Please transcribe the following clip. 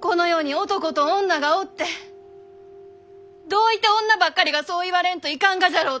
この世に男と女がおってどういて女ばっかりがそう言われんといかんがじゃろうと！